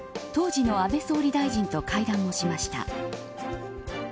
当時の安倍総理大臣と会談をしました。